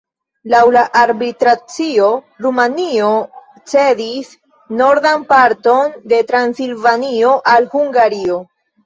Laŭ la arbitracio Rumanio cedis nordan parton de Transilvanio al Hungario.